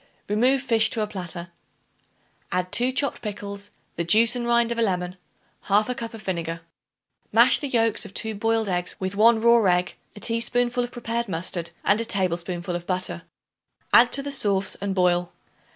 Remove fish to a platter. Add 2 chopped pickles, the juice and rind of a lemon, 1/2 cup of vinegar. Mash the yolks of 2 boiled eggs with 1 raw egg, a teaspoonful of prepared mustard and a tablespoonful of butter. Add to the sauce and boil.